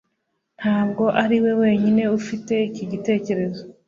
Ntabwo ariwe wenyine ufite iki gitekerezo